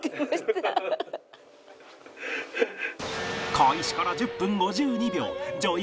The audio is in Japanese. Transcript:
開始から１０分５２秒女優